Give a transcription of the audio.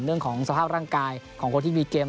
เรื่องของสภาพร่างกายของคนที่มีเกม